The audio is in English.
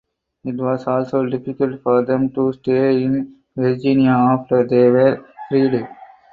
It was also difficult for them to stay in Virginia after they were freed.